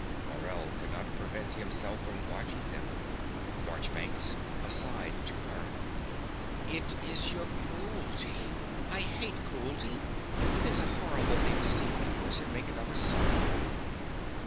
(Morell cannot prevent himself from watching them.) MARCHBANKS (aside to her). It is your cruelty. I hate cruelty. It is a horrible thing to see one person make another suffer.